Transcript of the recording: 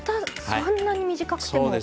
そんなに短くても。